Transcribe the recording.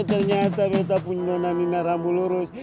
ternyata meta punya nona nina rambulurus